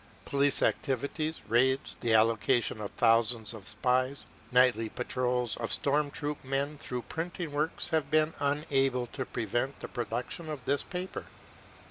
Police activities, raids, the allocation of thousands of spies, nightly patrols of storm troop men through printing works have been unable to prevent the production of this paper.